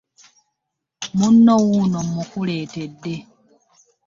Munno wuuno mmukuleetedde.